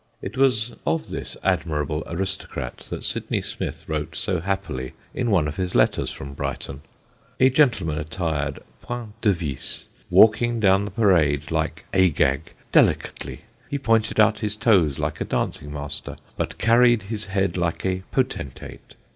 It was of this admirable aristocrat that Sydney Smith wrote so happily in one of his letters from Brighton: "A gentleman attired point device, walking down the Parade, like Agag, 'delicately.' He pointed out his toes like a dancing master; but carried his head like a potentate.